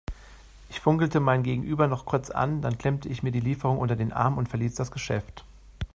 Ich funkelte mein Gegenüber noch kurz an, dann klemmte ich mir die Lieferung unter den Arm und verließ das Geschäft.